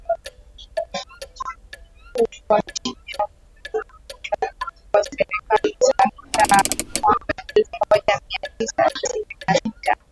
kufuatia kuvunjwa kwa Serikali za Mitaa mwaka elfu moja mia tisa tisini na sita